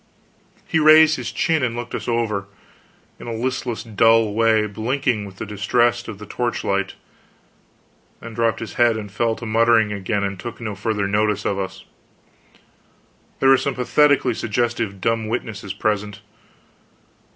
He raised his chin and looked us slowly over, in a listless dull way, blinking with the distress of the torchlight, then dropped his head and fell to muttering again and took no further notice of us. There were some pathetically suggestive dumb witnesses present.